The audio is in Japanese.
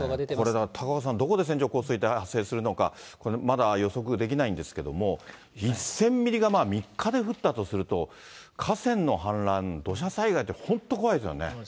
これだから、高岡さん、どこで線状降水帯発生するのか、まだ予測できないんですけども、１０００ミリが３日で降ったとすると、河川の氾濫、土砂災害って、本当、怖いですよね。